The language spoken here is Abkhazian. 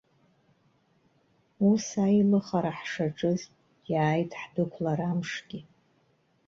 Ус аилыхара ҳшаҿыз, иааит ҳдәықәлара амшгьы.